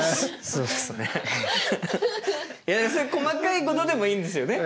そういう細かいことでもいいんですよね。